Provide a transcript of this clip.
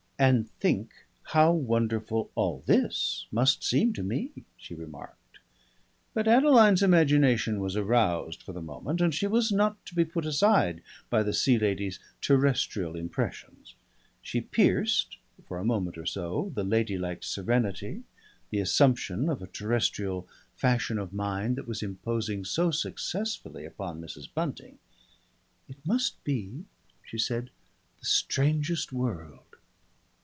"And think how wonderful all this must seem to me!" she remarked. But Adeline's imagination was aroused for the moment and she was not to be put aside by the Sea Lady's terrestrial impressions. She pierced for a moment or so the ladylike serenity, the assumption of a terrestrial fashion of mind that was imposing so successfully upon Mrs. Bunting. "It must be," she said, "the strangest world."